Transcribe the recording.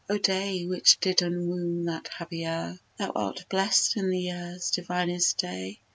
O day, which did enwomb that happy hour, Thou art blest in the years, divinest day!